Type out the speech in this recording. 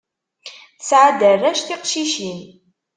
Tesɛa-d arrac tiqcicin.